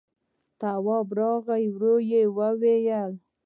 تواب ورغی، ورو يې وويل: